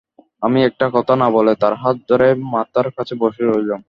আমি একটি কথা না বলে তার হাত ধরে মাথার কাছে বসে রইলুম।